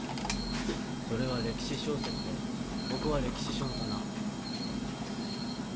それは歴史小説でここは歴史書の棚。